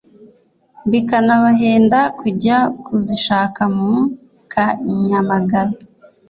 bikanabahenda kujya kuzishaka mu ka Nyamagabe